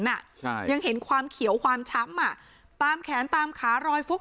อ่ะใช่ยังเห็นความเขียวความช้ำอ่ะตามแขนตามขารอยฟุก